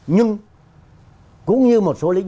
nhưng cũng như một số lính